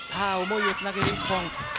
思いをつなぐ１本。